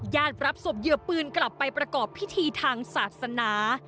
รับศพเหยื่อปืนกลับไปประกอบพิธีทางศาสนา